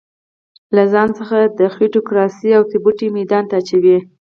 له ځان څخه د خېټوکراسۍ اوتې بوتې ميدان ته اچوي.